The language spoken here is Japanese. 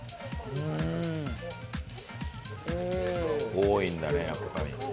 多いんだねやっぱり。